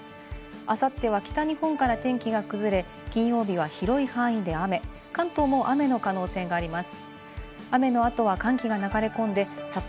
あさっては北日本から天気が崩れ、金曜日は広い範囲で雨、関東も雨の可能性があります。